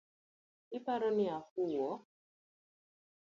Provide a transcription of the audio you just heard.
Iparo ni afuwo?